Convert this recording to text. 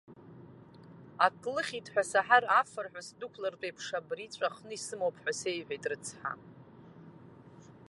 Ак лыхьит ҳәа саҳар, афырҳәа сдәықәлартә еиԥш абри ҵәахны исымоуп ҳәа сеиҳәеит рыцҳа.